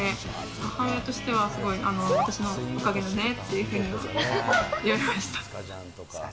母親としてはすごい、私のおかげだねっていうふうに言われました。